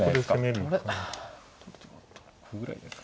歩ぐらいですか。